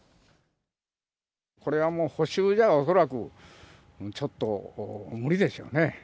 これはもう補修じゃ恐らく、ちょっと無理でしょうね。